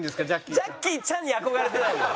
ジャッキーちゃんに憧れてないんだよ。